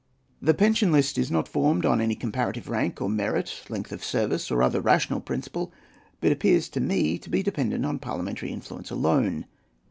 The pension list is not formed on any comparative rank or merit, length of service, or other rational principle, but appears to me to be dependent on parliamentary influence alone.